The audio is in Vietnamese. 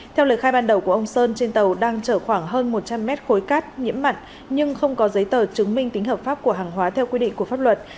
theo lời khai ban đầu của ông sơn trên tàu đang chở khoảng hơn một trăm linh mét khối cát nhiễm mặn nhưng không có giấy tờ chứng minh tính hợp pháp của hàng hóa theo quy định của pháp luật